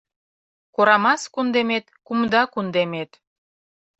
Корамас кундемет - кумда кундемет